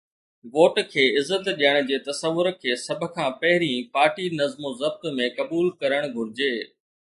Vote کي عزت ڏيڻ جي تصور کي سڀ کان پهرين پارٽي نظم و ضبط ۾ قبول ڪرڻ گهرجي.